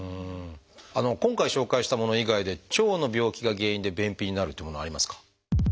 今回紹介したもの以外で腸の病気が原因で便秘になるっていうものはありますか？